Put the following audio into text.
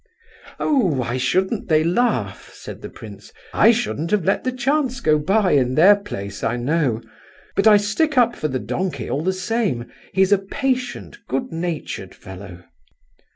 "Oh, why shouldn't they laugh?" said the prince. "I shouldn't have let the chance go by in their place, I know. But I stick up for the donkey, all the same; he's a patient, good natured fellow."